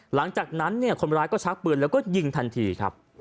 หลังจากนั้นเนี่ยคนร้ายก็ชักปืนแล้วก็ยิงทันทีครับ